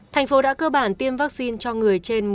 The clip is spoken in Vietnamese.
thành phố đã cơ bản tiêm vaccine cho người